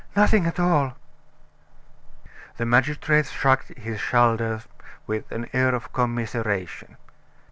"Nothing at all." The magistrate shrugged his shoulders with an air of commiseration.